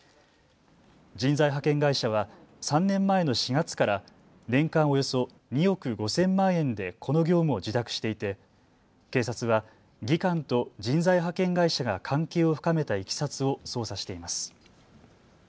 人材派遣会社は３年前の４月から年間およそ２億５０００万円でこの業務を受託していて警察は技官と人材派遣会社が関係を深めたいきさつを捜査しています。